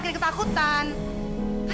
gak mau pa